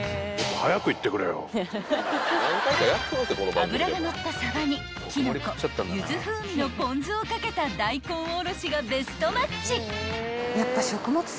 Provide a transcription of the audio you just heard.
［脂が乗ったサバにキノコユズ風味のポン酢を掛けた大根おろしがベストマッチ］